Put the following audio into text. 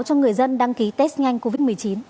cho người dân đăng ký test nhanh covid một mươi chín